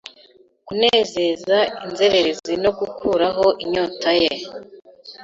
kunezeza inzererezi no gukuraho inyota ye